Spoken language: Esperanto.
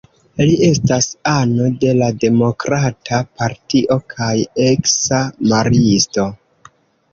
Li estas ano de la Demokrata Partio kaj eksa maristo.